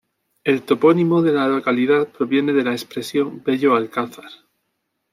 El topónimo de la localidad proviene de la expresión "bello alcázar".